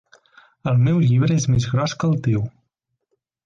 El meu llibre és més gros que el teu.